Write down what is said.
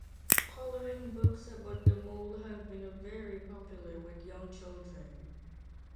Coloring books about the Mole have been very popular with young children.